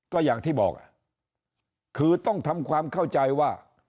ก็อย่างที่บอกคือต้องทำความเข้าใจว่า